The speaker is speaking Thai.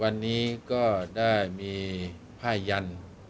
วันนี้ก็ได้มีผ้ายัน